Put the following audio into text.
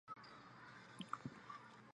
这是中国首次举行冬季大学生运动会。